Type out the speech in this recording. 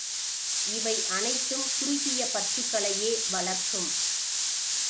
இவை அனைத்தும் குறுகிய பற்றுக்களையே வளர்க்கும்.